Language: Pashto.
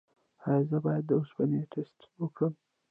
ایا زه باید د اوسپنې ټسټ وکړم؟